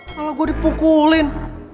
kalo gue dipukulin